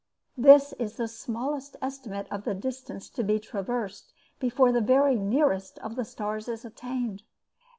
That is the smallest estimate of the distance to be traversed before the very nearest of the stars is attained.